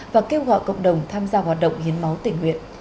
và kêu gọi cộng đồng tham gia hoạt động hiến máu tỉnh huyện